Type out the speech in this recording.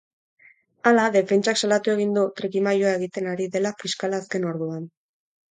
Hala, defentsak salatu egin du trikimailua egiten ari dela fiskala azken orduan.